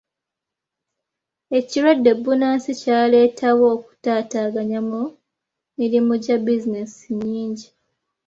Ekirwadde bbunansi kyaleetawo okutaataaganya mu mirimu gya bizinensi nnyingi.